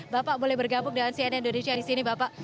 bapak boleh bergabung dengan cnn indonesia di sini bapak